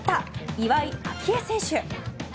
岩井明愛選手。